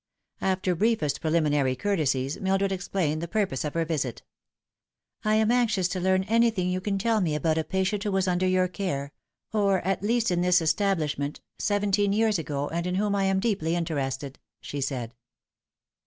After briefest preliminary courtesies, Mildred explained the purpose of her visit. " I am anxious to learn anything you can tell me about a patient who was under your care or, at least, in this establish ment seventeen years ago, and in whom I am deeply interested," she said.